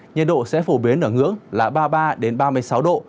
nhiệt độ sẽ phổ biến ở ngưỡng là ba mươi ba ba mươi sáu độ